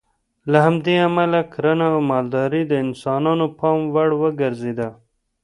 له همدې امله کرنه او مالداري د انسانانو پام وړ وګرځېده.